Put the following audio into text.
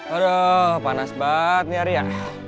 aduh panas banget nih hari ya